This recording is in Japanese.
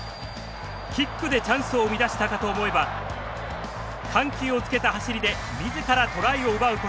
キックでチャンスを生み出したかと思えば緩急をつけた走りで自らトライを奪うことも。